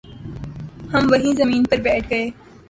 ہم وہیں زمین پر بیٹھ گ